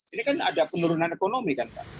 ini kan ada penurunan ekonomi